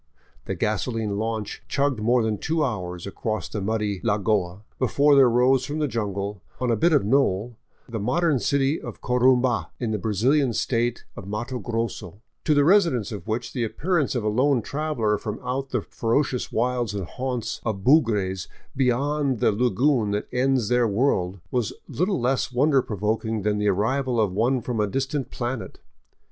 The gasoline launch chugged more than two hours across the muddy lagoa before there rose from the jungle, on a bit of knoll, the modern city of Corumba, in the Brazilian State of Matto Grosso, to the residents of which the appearance of a lone traveler from out the ferocious wilds and haunts of bugres beyond the lagoon that ends their world was little less wonder provoking than the arrival of one from a distant planet.